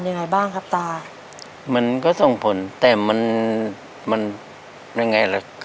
ยังไงบ้างครับตามันก็ส่งผลแต่มันมันยังไงล่ะ